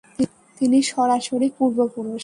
তিনি সরাসরি পূর্বপুরুষ।